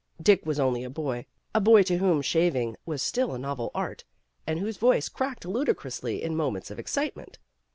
Dick was only a boy, a boy to whom shaving was still a novel art, and whose voice cracked ludicrously in moments of excitement.